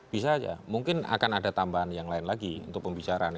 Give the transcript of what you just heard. bisa saja mungkin akan ada tambahan yang lain lagi untuk pembicaraan